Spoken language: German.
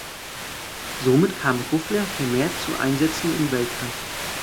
Somit kam Gufler vermehrt zu Einsätzen im Weltcup.